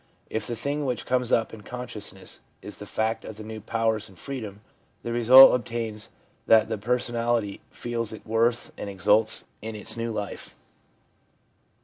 If the thing which comes up in consciousness is the fact of the new powers and freedom, the result obtains that the person ality feels its worth and exults in its new life.